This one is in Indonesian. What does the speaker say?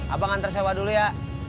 abang antar sewa dulu ya